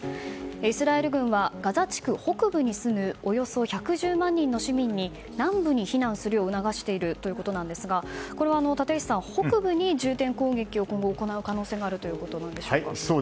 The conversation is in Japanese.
イスラエル軍はガザ地区北部に住むおよそ１１０万人の市民に南部に避難するよう促しているということですがこれは立石さん、北部に重点攻撃を今後行う可能性があるということでしょうか。